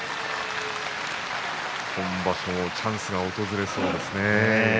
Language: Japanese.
今場所チャンスが訪れそうですね。